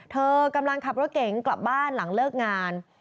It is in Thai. เธอกำลังขับรถเก๋งกลับบ้านหลังเลิกงาน